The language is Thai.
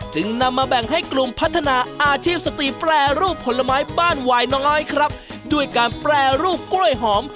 จึงนำมาแบ่งให้กลุ่มพัฒนาอาชีพสติแปรรูปผลไม้บ้านหวายน้อยครับด้วยการแปรรูปกล้วยหอม